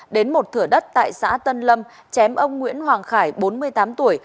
đến một thửa đất tại xã tân lâm chém ông nguyễn hoàng khải bốn mươi tám tuổi